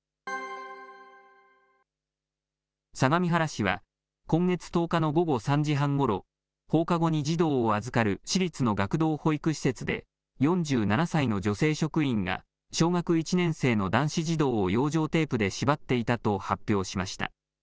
相模原市は、今月１０日の午後３時半ごろ、放課後に児童を預かる市立の学童保育施設で、４７歳の女性職員が、小学１年生の男子児童を養生テープで縛っていたと発表しました。